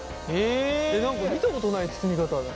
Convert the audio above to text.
何か見たことない包み方だ。